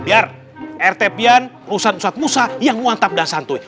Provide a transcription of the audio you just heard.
biar rt pian perusahaan ustadz musa yang muantab dan santuy